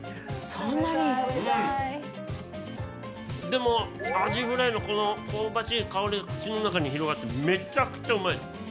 でもアジフライのこの香ばしい香りが口の中に広がってめちゃくちゃうまいです！